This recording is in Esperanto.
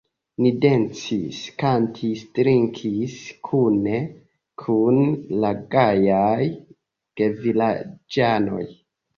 Ni dancis, kantis, drinkis kune kun la gajaj gevilaĝanoj.